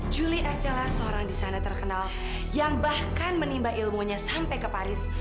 julie estella seorang di sana terkenal yang bahkan menimpa ilmunya sampai ke paris